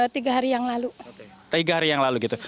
tiga hari yang lalu tiga hari yang lalu gitu